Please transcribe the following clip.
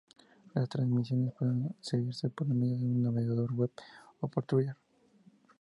La transmisiones pueden seguirse por medio de un navegador Web o por Twitter.